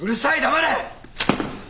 黙れ！